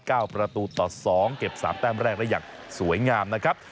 ประตูต่อสองเก็บสามแต้มแรกได้อย่างสวยงามนะครับ